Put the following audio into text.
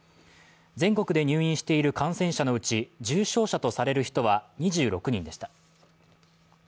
全国で入院している感染者のうち重症者とされる人は２６人でした。